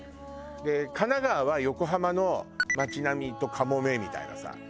で神奈川は横浜の街並みとカモメみたいなさ。